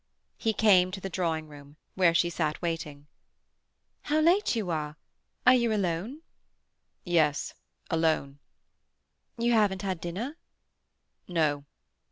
He came to the drawing room, where she sat waiting. "How late you are! Are you alone?" "Yes, alone." "You haven't had dinner?" "No."